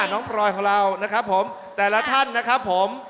น้องปลอยของเรานะครับผมแต่ละท่านนะครับผม